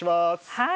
はい。